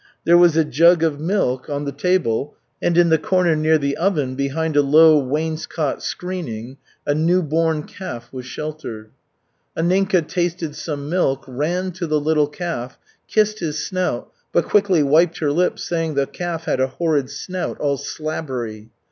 There was a jug of milk on the table, and in the corner near the oven, behind a low wainscot screening, a new born calf was sheltered. Anninka tasted some milk, ran to the little calf, kissed his snout, but quickly wiped her lips, saying the calf had a horrid snout, all slabbery.